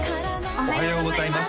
おはようございます